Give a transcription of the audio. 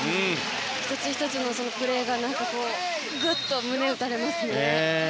１つ１つのプレーがグッと胸打たれますね。